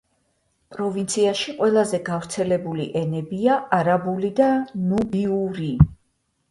პროვინციაში ყველაზე გავრცელებული ენებია არაბული და ნუბიური.